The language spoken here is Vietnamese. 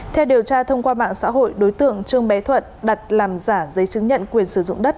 theo điều tra thông qua mạng xã hội đối tượng trương bé thuận đặt làm giả giấy chứng nhận quyền sử dụng đất